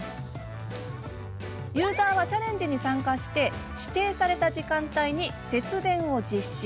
ユーザーはチャレンジに参加して指定された時間帯に節電を実施。